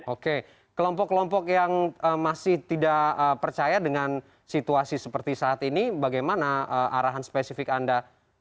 oke kelompok kelompok yang masih tidak percaya dengan situasi seperti saat ini bagaimana arahan spesifik anda